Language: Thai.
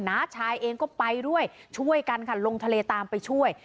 น้าชายเองก็ไปด้วยช่วยกันค่ะลงทะเลตามไปช่วย